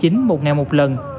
một ngày một lần